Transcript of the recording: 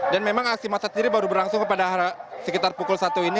dan memang aksi masa sendiri baru berlangsung kepada sekitar pukul satu ini